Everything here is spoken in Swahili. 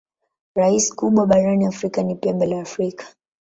Rasi kubwa barani Afrika ni Pembe la Afrika.